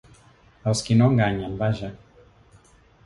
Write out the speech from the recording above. Els qui no enganyen, vaja.